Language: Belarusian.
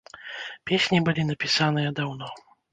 Песні былі напісаныя даўно.